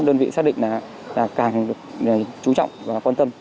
đơn vị xác định là càng được chú trọng và quan tâm